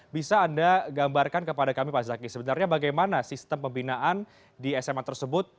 bisa anda gambarkan kepada kami pak zaki sebenarnya bagaimana sistem pembinaan di sma tersebut